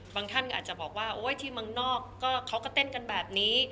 ท่านก็อาจจะบอกว่าโอ๊ยที่เมืองนอกก็เขาก็เต้นกันแบบนี้